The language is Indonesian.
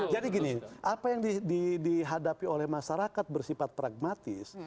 jadi gini apa yang dihadapi oleh masyarakat bersifat pragmatis